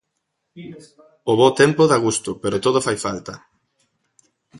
O bo tempo da gusto pero todo fai falta.